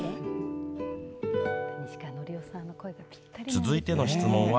続いての質問は